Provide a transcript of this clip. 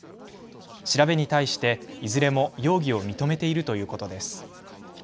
調べに対していずれも容疑を認めているということです。